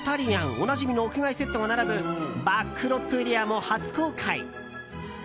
おなじみの屋外セットが並ぶバックロットエリアも初公開。